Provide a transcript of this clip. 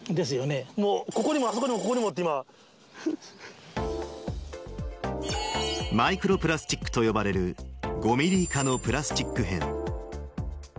もう、ここにも、マイクロプラスチックと呼ばれる５ミリ以下のプラスチック片。